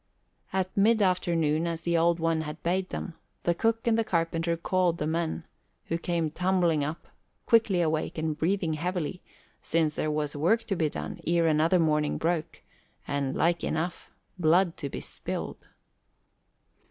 At mid afternoon, as the Old One had bade them, the cook and the carpenter called the men, who came tumbling up, quickly awake and breathing heavily, since there was work to be done ere another morning broke, and, like enough, blood to be spilled.